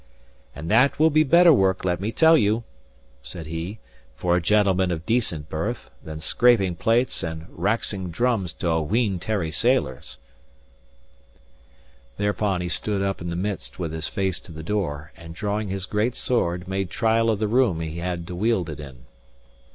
"And that will be better work, let me tell you," said he, "for a gentleman of decent birth, than scraping plates and raxing* drams to a wheen tarry sailors." *Reaching. Thereupon he stood up in the midst with his face to the door, and drawing his great sword, made trial of the room he had to wield it in.